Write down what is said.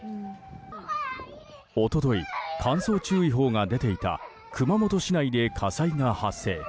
一昨日、乾燥注意報が出ていた熊本市内で火災が発生。